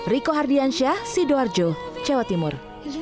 riko hardiansyah sidoarjo jawa timur